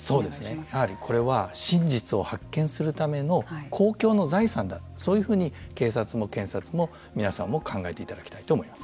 やはりこれは真実を発見するための公共の財産だそういうふうに警察も検察も皆さんも考えていただきたいと思います。